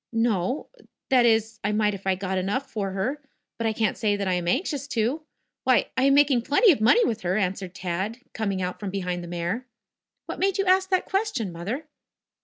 "No. That is, I might if I got enough for her. But I can't say that I am anxious to. Why, I am making plenty of money with her," answered Tad coining out from behind the mare. "What made you ask that question, Mother?"